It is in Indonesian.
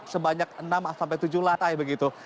sebanyak enam sampai tujuh lantai begitu